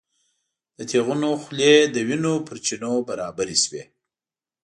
د تیغونو خولې د وینو پر چینو برابرې شوې.